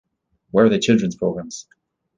Where are the children’s programs?